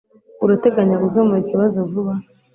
Urateganya gukemura ikibazo vuba?